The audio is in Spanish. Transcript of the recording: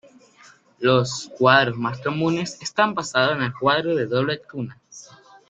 Los cuadros más comunes están basados en el "cuadro de doble cuna".